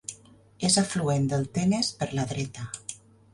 És afluent del Tenes per la dreta.